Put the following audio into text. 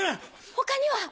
他には？